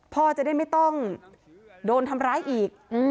พ่อจะได้ไม่ต้องโดนทำร้ายอีก